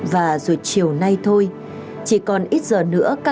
và rồi chiều nay thôi chỉ còn ít giờ nữa